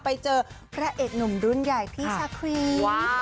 ไปเจอพระเอกหนุ่มรุ่นใหญ่พี่ชาครี